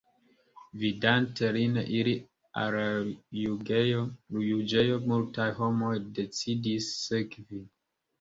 Vidante lin iri al la juĝejo, multaj homoj decidis sekvi.